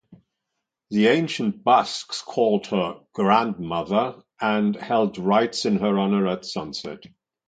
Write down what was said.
The ancient Basques called her "grandmother"; and held rites in her honour at sunset.